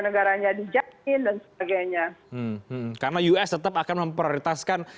negaranya dijamin dan sebagainya karena us tetap akan memprioritaskan